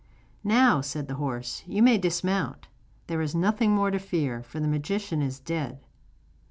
'Now,' said the horse, 'you may dismount; there is nothing more to fear, for the magician is dead.